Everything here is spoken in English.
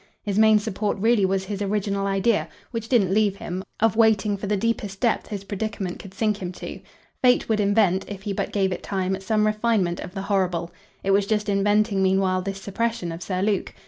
His main support really was his original idea, which didn't leave him, of waiting for the deepest depth his predicament could sink him to. Fate would invent, if he but gave it time, some refinement of the horrible. It was just inventing meanwhile this suppression of Sir Luke.